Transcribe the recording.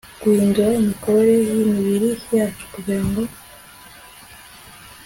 guhindura imikorere yimibiri yacu kugira ngo